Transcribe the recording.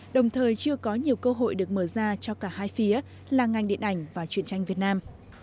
đồng thời chưa có nhiều cơ hội được mở ra cho cả hai phía là ngành điện ảnh và chuyện tranh việt nam